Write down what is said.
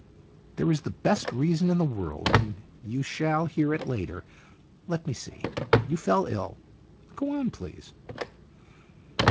"There is the best reason in the world, And 132 STORIES IN GREY you shall hear it later. Let me see. You fell ill. Go on, please."